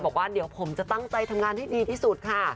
บอกว่าเดี๋ยวผมจะตั้งใจทำงานให้ดีที่สุดค่ะ